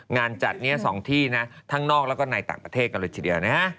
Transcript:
งานจัดนี้๒ที่นะทั้งนอกแล้วก็ในต่างประเทศกันเลยทีเดียวนะฮะ